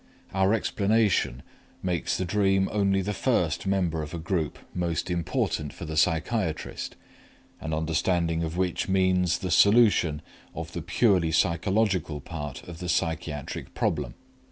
Our explanation makes the dream only the first member of a group most important for the psychiatrist, an understanding of which means the solution of the purely psychological part of the psychiatric problem.